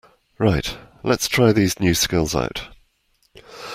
Right, lets try these new skills out!